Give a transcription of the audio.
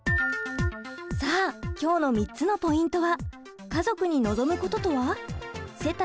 さあ今日の３つのポイントは。